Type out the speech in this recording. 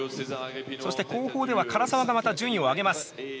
そして、後方では唐澤がまた順位を上げます。